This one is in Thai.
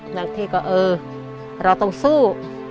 บางทีก็เออเราต้องสู้